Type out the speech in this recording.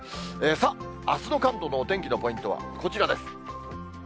さあ、あすの関東のお天気のポイント、こちらです。